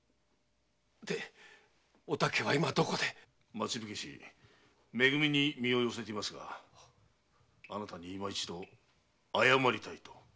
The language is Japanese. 町火消し・め組に身を寄せていますがあなたに今一度謝りたいと。